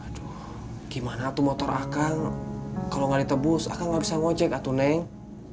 aduh gimana tuh motor akang kalau nggak ditebus akang nggak bisa ngojek atuh neng